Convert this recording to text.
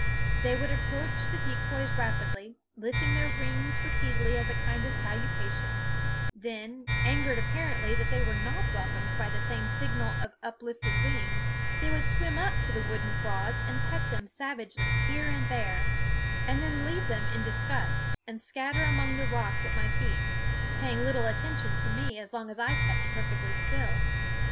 They would approach the decoys rapidly, lifting their wings repeatedly as a kind of salutation; then, angered apparently that they were not welcomed by the same signal of uplifted wings, they would swim up to the wooden frauds and peck them savagely here and there, and then leave them in disgust and scatter among the rocks at my feet, paying little attention to me as long as I kept perfectly still.